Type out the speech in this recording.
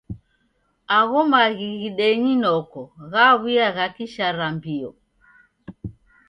Agho maghi ghidenyi noko ghew'uya gha kisharambio.